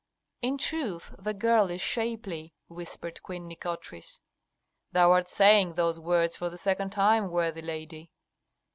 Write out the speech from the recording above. "In truth the girl is shapely," whispered Queen Nikotris. "Thou art saying those words for the second time, worthy lady."